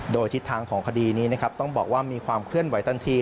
โดยทิศทางของคดีนี้นะครับต้องบอกว่ามีความเคลื่อนไหวทันที